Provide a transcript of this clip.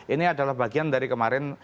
ini adalah bagian dari kemarin